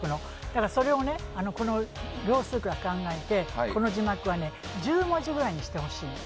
だから、それを秒数とか考えてこの字幕は１０文字ぐらいにしてほしいの。